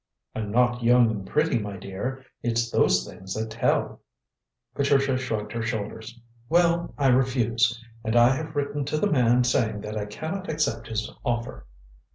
"I'm not young and pretty, my dear. It's those things that tell." Patricia shrugged her shoulders. "Well, I refuse, and I have written to the man saying that I cannot accept his offer."